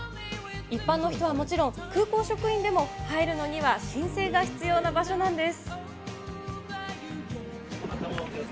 一般の人はもちろん、空港職員でも入るのには申請が必要な場所なんです。